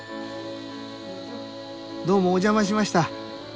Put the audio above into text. どうもお邪魔しました。